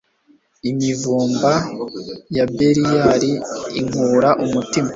imivumba ya beliyali inkura umutima